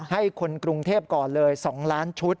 ให้คนกรุงเทพก่อนเลย๒ล้านชุด